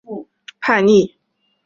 提萨斐尼声称他亲自杀死了叛逆。